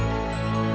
berhubung dengan muda